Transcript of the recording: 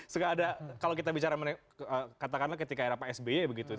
sekarang ada kalau kita bicara katakanlah ketika era pak sby begitu